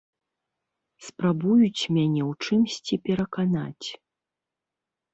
Спрабуюць мяне ў чымсьці пераканаць.